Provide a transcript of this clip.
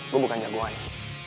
gue bukan jagoannya